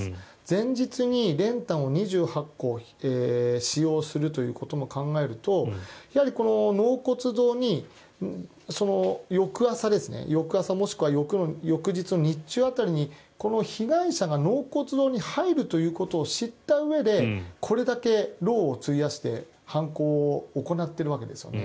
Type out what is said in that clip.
前日に練炭を２８個使用するということも考えるとこの納骨堂に翌朝もしくは翌日の日中辺りにこの被害者が納骨堂に入るということを知ったうえでこれだけ労を費やして犯行を行っているわけです。